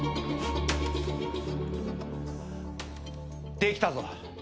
できたぞ。